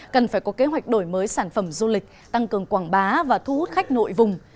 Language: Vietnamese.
cần phải có kế hoạch đổi mới sản phẩm du lịch tăng cường quảng bá và thu hút khách nội vùng